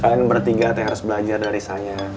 kalian bertiga ternyata harus belajar dari saya